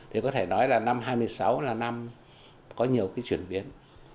thì có thể nói là năm hai mươi sáu là năm có nhiều chuyển biến